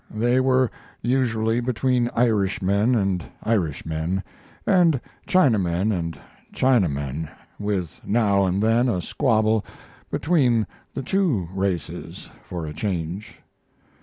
They were usually between Irishmen and Irishmen, and Chinamen and Chinamen, with now and then a squabble between the two races, for a change.